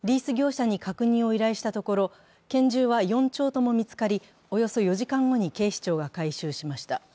リース業者に確認を依頼したところ拳銃は４丁とも見つかり、およそ４時間後に警視庁が回収しました。